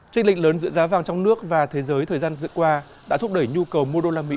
trích lệnh lớn giữa giá vàng trong nước và thế giới thời gian dựa qua đã thúc đẩy nhu cầu mua đô la mỹ